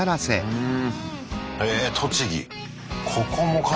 うん。